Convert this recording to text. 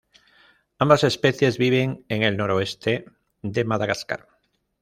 Ambas especies viven en el noroeste de Madagascar.